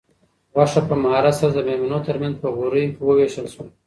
غوښه په مهارت سره د مېلمنو تر منځ په غوریو کې وویشل شوه.